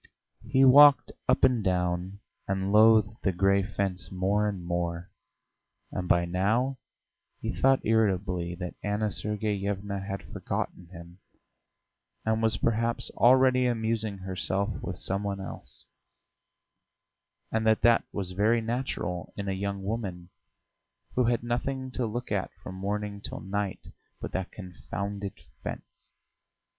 He walked up and down, and loathed the grey fence more and more, and by now he thought irritably that Anna Sergeyevna had forgotten him, and was perhaps already amusing herself with some one else, and that that was very natural in a young woman who had nothing to look at from morning till night but that confounded fence.